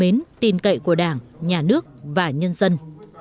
sự yêu mến tin cậy của đảng nhà nước và nhân dân